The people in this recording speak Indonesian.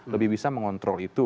lebih bisa mengontrol itu